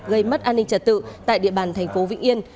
gây mất an ninh trật tự tại địa bàn tp vĩnh yên